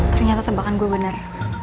ternyata tebakan gue bener